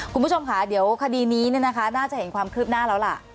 คุณผู้ชมค่ะเดี๋ยวคดีนี้น่าจะเห็นความคืบหน้าแล้วล่ะ